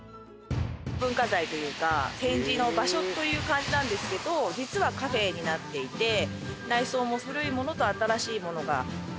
文化財というか展示の場所という感じなんですけど実はカフェになっていて内装も古いものと新しいものがうまくマッチしてるというか。